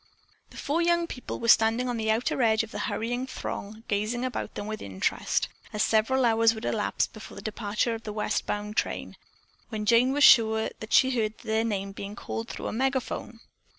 The four young people were standing on the outer edge of the hurrying throng, gazing about them with interest (as several hours would elapse before the departure of the west bound train), when Jane was sure that she heard their name being called through a megaphone.